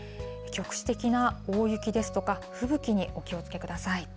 局地的な大雪ですとか、吹雪にお気をつけください。